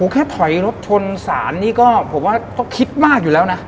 แค่ถอยรถชนศาลนี่ก็ผมว่าก็คิดมากอยู่แล้วนะ